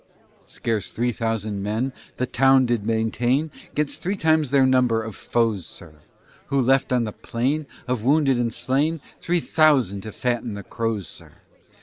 Scarce three thousand men The town did maintain, 'Gainst three times their number of foes, sir, Who left on the plain, Of wounded and slain, Three thousand to fatten the crows, sir.